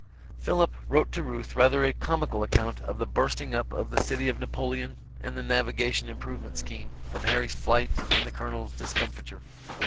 Philip, wrote to Ruth rather a comical account of the bursting up of the city of Napoleon and the navigation improvement scheme, of Harry's flight and the Colonel's discomfiture.